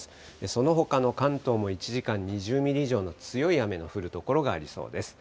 そのほかの関東も１時間に２０ミリ以上の強い雨の降る所がありそうです。